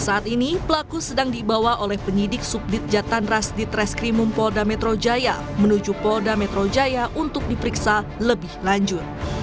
saat ini pelaku sedang dibawa oleh penyidik subdit jatanras di treskrimum polda metro jaya menuju polda metro jaya untuk diperiksa lebih lanjut